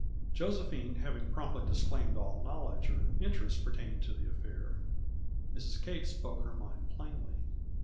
Josephine, having promptly disclaimed all knowledge or interest pertaining to the affair, Mrs. Kate spoke her mind plainly.